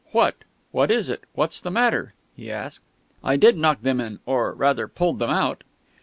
"What? What is it? What's the matter?" he asked. "I did knock them in or, rather, pulled them out."